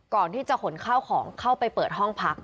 ก่อนที่จะขนข้าวของเข้าไปเปิดห้องพัก